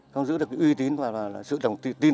công chí đã giữ được uy tín và sự tin tưởng của nhân dân